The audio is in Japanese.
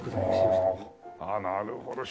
なるほど。